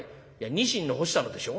「ニシンの干したのでしょ？」。